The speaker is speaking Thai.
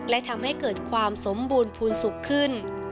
และทำให้เกิดความสมบูรณ์ภูมิสุขขึ้น